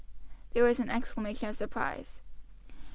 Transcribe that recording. There was an exclamation of surprise.